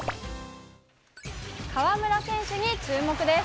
河村選手に注目です。